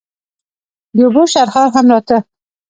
د اوبو شرهار هم راته.